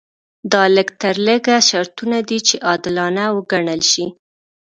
دا لږ تر لږه شرطونه دي چې عادلانه وګڼل شي.